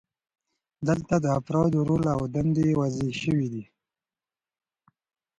دلته د افرادو رول او دندې واضحې شوې وي.